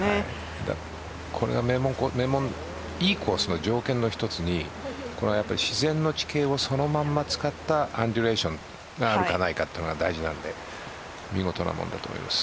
これが名門いいコースの条件の一つに自然の地形をそのまんま使ったアンジュレーションがあるかないかが大事なので見事なものだと思います。